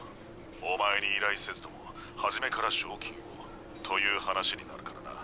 お前に依頼せずとも初めから賞金をという話になるからな。